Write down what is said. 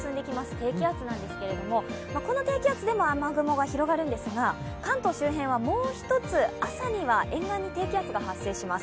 低気圧なんですけれどもこの低気圧でも雨雲が広がるんですが関東周辺は朝には沿岸に低気圧が発生します。